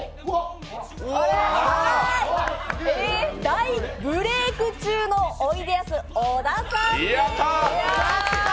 大ブレイク中のおいでやす小田さんです。